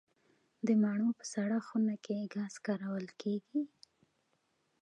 د مڼو په سړه خونه کې ګاز کارول کیږي؟